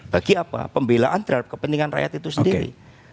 bagi apa pembelaan terhadap kepentingan rakyat itu sendiri